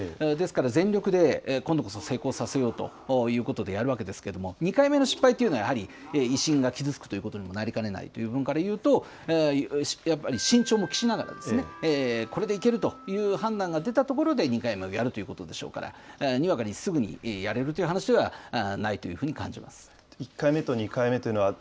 ですから全力で今度こそ成功させようということでやるわけですけれども、２回目の失敗というのは、やはり威信が傷つくということにもなりかねないということからいうと、やっぱり慎重も喫しながら、これでいけるという判断が出たところで２回目をやるということでしょうから、にわかに、すぐにやれるという話ではないというふうに感じます。